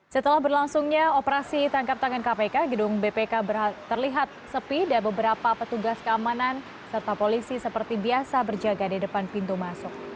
setelah berlangsungnya operasi tangkap tangan kpk gedung bpk terlihat sepi dan beberapa petugas keamanan serta polisi seperti biasa berjaga di depan pintu masuk